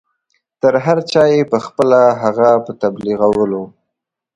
تر هر چا یې پخپله هغه په تبلیغولو.